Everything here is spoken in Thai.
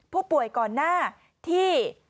ผู้ป่วยก่อนหน้าที่